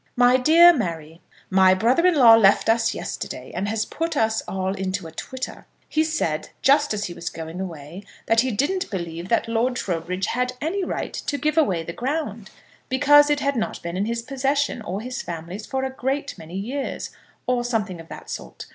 MY DEAR MARY, My brother in law left us yesterday, and has put us all into a twitter. He said, just as he was going away, that he didn't believe that Lord Trowbridge had any right to give away the ground, because it had not been in his possession or his family's for a great many years, or something of that sort.